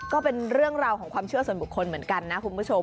ก็เป็นเรื่องราวของความเชื่อส่วนบุคคลเหมือนกันนะคุณผู้ชม